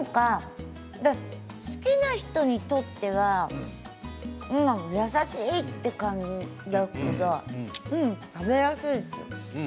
好きな人にとっては優しい、という感じだけど食べやすいです。